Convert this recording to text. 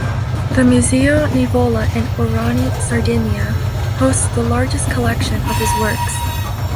The Museo Nivola in Orani, Sardinia, hosts the largest collection of his works.